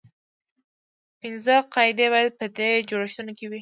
پنځه قاعدې باید په دې جوړښتونو کې وي.